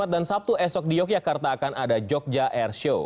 dan sabtu esok di yogyakarta akan ada jogja airshow